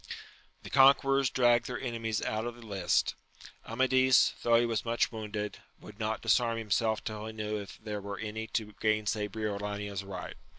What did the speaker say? The conquerors dragged their enemies out of the lists. Amadis, though he was much wounded, would not disarm himself till he knew if there were any to gainsay Briolania's right.